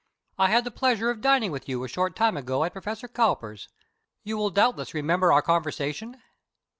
"I had the pleasure of dining with you a short time ago at Professor Cowper's. You will doubtless remember our conversation?"